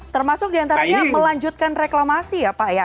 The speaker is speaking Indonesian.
termasuk diantaranya melanjutkan reklamasi ya pak ya